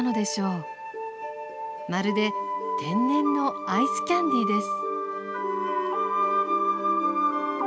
まるで天然のアイスキャンディーです。